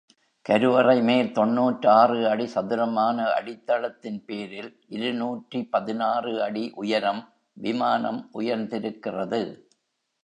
கருவறை மேல் தொன்னூற்றாறு அடி சதுரமான அடித்தளத்தின் பேரில் இருநூற்று பதினாறு அடி உயரம் விமானம் உயர்ந்திருக்கிறது.